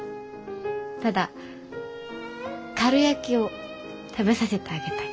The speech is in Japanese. ただかるやきを食べさせてあげたい。